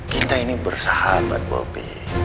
kita ini bersahabat bobi